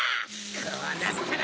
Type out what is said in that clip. こうなったら！